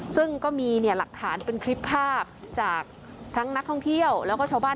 ซึ่งก็มีหลักฐานเป็นคลิปภาพจากทั้งนักท่องเที่ยวแล้วก็ชาวบ้าน